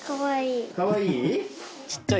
かわいい？